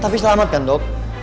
tapi selamat kan dok